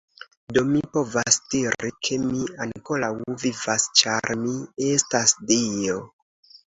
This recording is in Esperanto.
Do mi povas diri, ke mi ankoraŭ vivas, ĉar mi estas dio.